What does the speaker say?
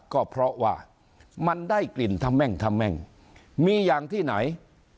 ก็เพราะว่ามันได้กลิ่นทะแม่งทะแม่งมีอย่างที่ไหน